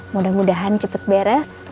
mudah mudahan cepat beres